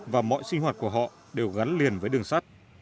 và mọi sinh hoạt của họ đều gắn liền với đường sắt